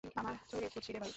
আমার চুড়ি খুঁজছি রে ভাই।